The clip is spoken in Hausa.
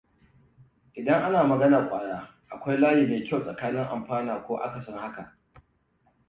Idan ana maganar ƙwaya, akwai layi mai kyau tsakanin amfana ko akasin haka.